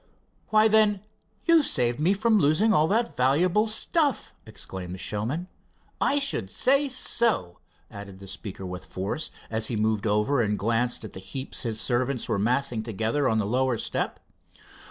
"Why, then, you've saved my losing all that valuable stuff!" exclaimed the showman. "I should say so," added the speaker with force, as he moved over and glanced at the heaps his servants were massing together, upon the lower step.